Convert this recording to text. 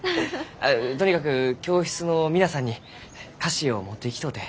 とにかく教室の皆さんに菓子を持っていきとうて。